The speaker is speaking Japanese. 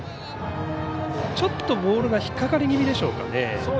ちょっとボールが引っ掛かり気味でしょうか。